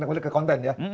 kalau konten ya